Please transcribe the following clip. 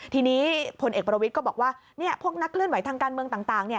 ทีนี้พลเอกประวิทย์ก็บอกว่าพวกนักเคลื่อนไหวทางการเมืองต่าง